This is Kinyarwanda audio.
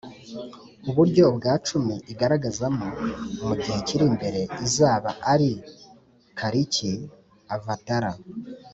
uburyo bwa cumi izigaragazamo mu gihe kiri imbere izaba ari kaliki avatara